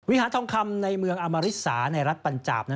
หาทองคำในเมืองอมริสาในรัฐปัญจาบ